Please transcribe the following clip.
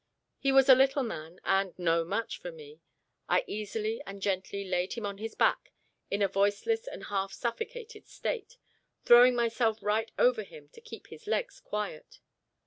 He was a little man, and no match for me. I easily and gently laid him on his back, in a voiceless and half suffocated state throwing myself right over him, to keep his legs quiet.